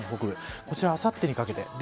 こちらあさってにかけて。